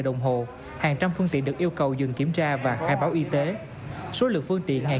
đồng hồ hàng trăm phương tiện được yêu cầu dừng kiểm tra và khai báo y tế số lượng phương tiện hàng